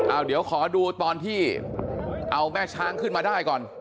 เอาเดี๋ยวขอดูตอนที่เอาแม่ช้างขึ้นมาได้ก่อน